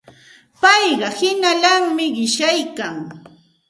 Payqa hinallami qishyaykan.